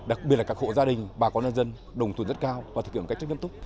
đặc biệt là các hộ gia đình bà con nhân dân đồng thuận rất cao và thực hiện một cách chắc chắn tốt